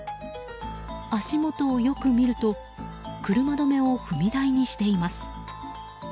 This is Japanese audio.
足元をよく見ると車止めを踏み台にしています。